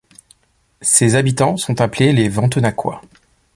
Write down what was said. Ses habitants sont appelés les Ventenacois.